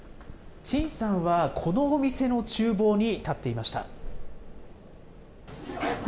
陳さんはこのお店のちゅう房に立っていました。